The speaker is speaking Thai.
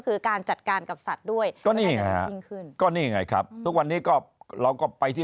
คือการจัดการกับสัตว์ด้วยก็นี่ไงฮะยิ่งขึ้นก็นี่ไงครับทุกวันนี้ก็เราก็ไปที่